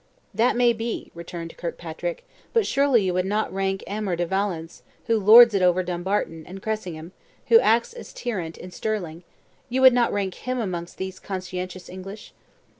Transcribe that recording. "That may be," returned Kirkpatrick; "but surely you would not rank Aymer de Valence, who lords it over Dumbarton, and Cressingham, who acts the tyrant in Stirling you would not rank them amongst these conscientious English?"